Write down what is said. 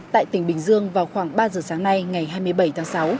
tại tỉnh bình dương vào khoảng ba giờ sáng nay ngày hai mươi bảy tháng sáu